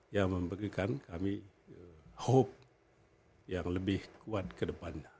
yang memberikan kami hope yang lebih kuat ke depannya